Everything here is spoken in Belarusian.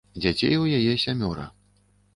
Дзяцей у яе сямёра.